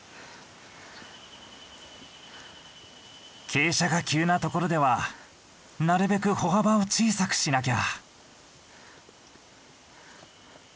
傾斜が急なところではなるべく歩幅を小さくしなきゃ。